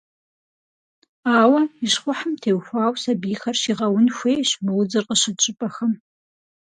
Ауэ, и щхъухьым теухуауэ сабийхэр щыгъэун хуейщ мы удзыр къыщыкӏ щӏыпӏэхэм.